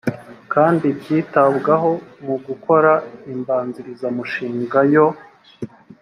kandi byitabwaho mu gukora imbanzirizamushinga yo